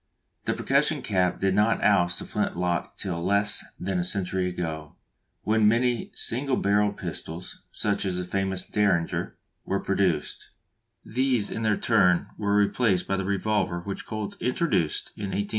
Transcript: The percussion cap did not oust the flint lock till less than a century ago, when many single barrelled pistols, such as the famous Derringer, were produced; these in their turn were replaced by the revolver which Colt introduced in 1836 1850.